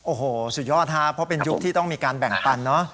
โอ้โหสุดยอดฮะเพราะเป็นยุคที่ต้องมีการแบ่งปันเนอะ